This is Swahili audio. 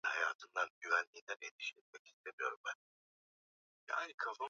ambacho kilisahaulika Wana wa Israeli waliagizwa kuitunza Sabato hata kabla hawajafika kwenye Mlima Sinai